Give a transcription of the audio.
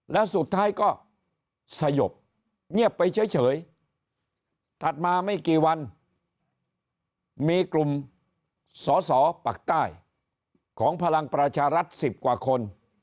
แล้วสุดท้ายก็สยบเงียบไปเฉยถัดมาไม่กี่วันมีกลุ่มสอสอปักใต้ของพลังประชารัฐ๑๐กว่าคน